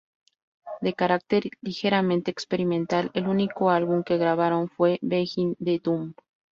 De carácter ligeramente experimental, el único álbum que grabaron fue "Behind The Dumb".